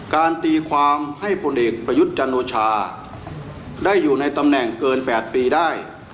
ตีความให้ผลเอกประยุทธ์จันโอชาได้อยู่ในตำแหน่งเกิน๘ปีได้